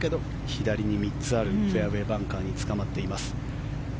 左に３つあるフェアウェーバンカーにつかまっています。